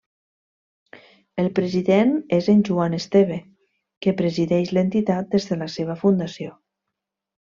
El president és en Joan Esteve que presideix l'entitat des de la seva fundació.